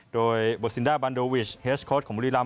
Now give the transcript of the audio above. โดยโบซินด้าบันโดวิชเฮสโค้ดของบุรีรำ